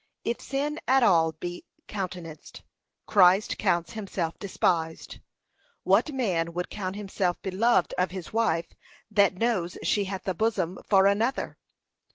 If sin at all be countenanced, Christ counts himself despised. What man would count himself beloved of his wife that knows she hath a bosom for another?